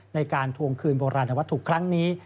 ในการทวงคืนโบราณวัตถุครั้งนี้